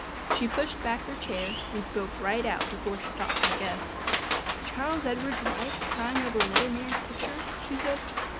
She pushed back her chair, and spoke right out before she thought, I guess. "Charles Edward's wife crying over another man's picture!" she said.